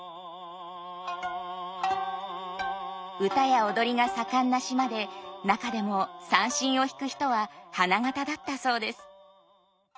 唄や踊りが盛んな島で中でも三線を弾く人は花形だったそうです。